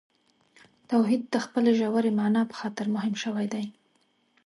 توحید د خپلې ژورې معنا په خاطر مهم شوی دی.